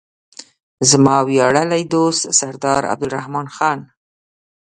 زما ویاړلی دوست سردار عبدالرحمن خان.